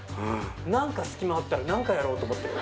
何か隙間あったら何かやろうと思ってる。